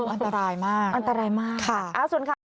อันตรายมากค่ะส่วนข้าง